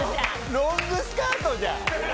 ロングスカートじゃん。